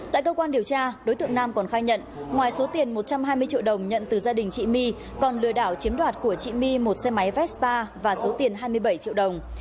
tại cơ quan điều tra đối tượng nam còn khai nhận ngoài số tiền một trăm hai mươi triệu đồng nhận từ gia đình chị my còn lừa đảo chiếm đoạt của chị my một xe máy vespa và số tiền hai mươi bảy triệu đồng